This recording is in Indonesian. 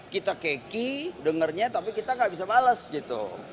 kita keki dengernya tapi kita nggak bisa bales gitu